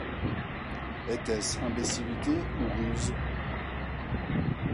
Était-ce imbécillité ou ruse?